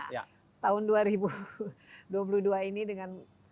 tahun dua ribu dua puluh dua ini dengan